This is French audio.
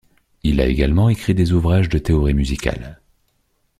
Il a également écrit des ouvrages de théorie musicale.